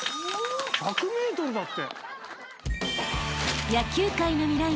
１００ｍだって。